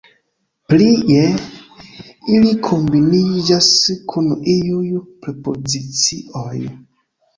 Plie, ili kombiniĝas kun iuj prepozicioj.